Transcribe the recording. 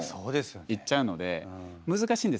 いっちゃうので難しいんですよね